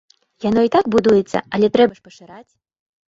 Яно і так будуецца, але трэба ж пашыраць.